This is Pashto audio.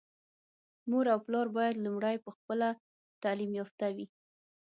مور او پلار بايد لومړی په خپله تعليم يافته وي.